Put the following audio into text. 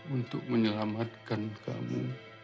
untuk menyelamatkan kamu